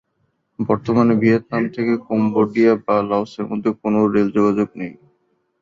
বর্তমানে ভিয়েতনাম থেকে কম্বোডিয়া বা লাওসের মধ্যে কোনও রেল যোগাযোগ নেই।